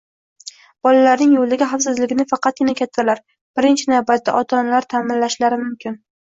Bolalarning yo‘ldagi xavfsizligini faqatgina kattalar, birinchi navbatda ota-onalar ta’minlashlari mumkin.